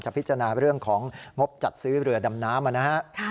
พิจารณาเรื่องของงบจัดซื้อเรือดำน้ำนะฮะ